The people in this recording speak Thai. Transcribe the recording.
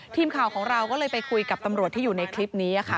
ทีมข่าวของเราก็เลยไปคุยกับตำรวจที่อยู่ในคลิปนี้ค่ะ